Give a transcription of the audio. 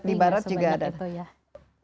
di barat juga ada